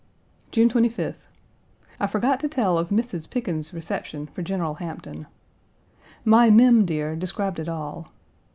June 25th. I forgot to tell of Mrs. Pickens's reception for General Hampton. My Mem dear, described it all.